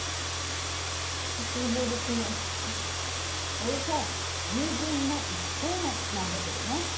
およそ１０分の１光年なんだけどね。